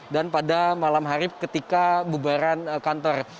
dan pada malam hari ketika bubaran kantor